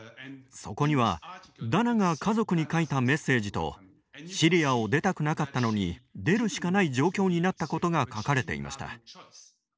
そこにはダナが家族に書いたメッセージとシリアを出たくなかったのに出るしかない状況になったことが書かれていました。